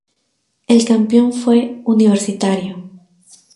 El campeón fue Universitario.